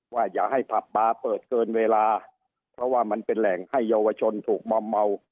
อย่าให้ผับบาร์เปิดเกินเวลาเพราะว่ามันเป็นแหล่งให้เยาวชนถูกมอมเมา